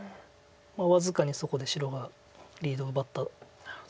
僅かにそこで白がリードを奪ったと思います。